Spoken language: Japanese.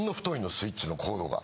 スイッチのコードが。